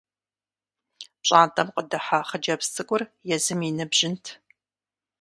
ПщIантIэм къыдыхьа хъыджэбз цIыкIур езым и ныбжьынт.